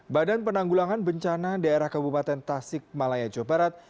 badan penanggulangan bencana daerah kabupaten tasik malaya jawa barat